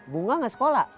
bunga ga sekolah